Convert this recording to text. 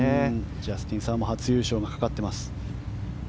ジャスティン・サーも初優勝がかかっています。